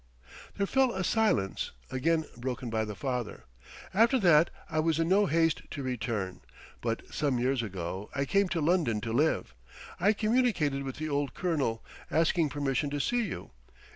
There fell a silence, again broken by the father. "After that I was in no haste to return. But some years ago, I came to London to live. I communicated with the old colonel, asking permission to see you.